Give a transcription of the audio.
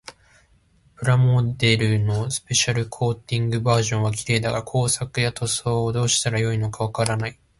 プラモデルのスペシャルコーティングバージョンは綺麗だが、工作や塗装をどうしたらよいのかわからない。